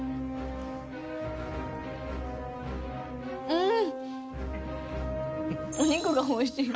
うん！